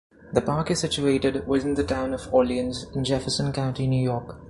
The park is situated within the Town of Orleans in Jefferson County, New York.